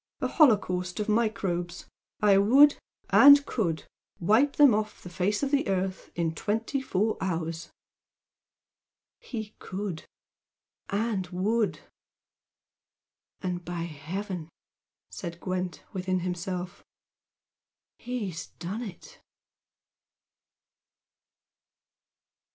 A holocaust of microbes! I would and could wipe them off the face of the earth in twenty four hours!" He could and would! "And by Heaven," said Gwent, within himself "He's done it!"